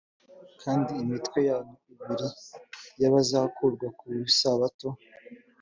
kandi imitwe yanyu ibiri y abazakurwa ku isabato